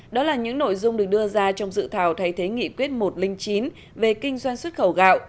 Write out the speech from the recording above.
đó là những nội dung được đưa ra trong dự thảo thay thế nghị quyết một trăm linh chín về kinh doanh xuất khẩu gạo